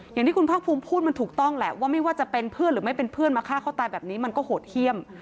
อย่างที่คุณภาคภูมิพูดมันถูกต้องแหละว่าไม่ว่าจะเป็นเพื่อนหรือไม่เป็นเพื่อนมาฆ่าเขาตายแบบนี้มันก็โหดเยี่ยม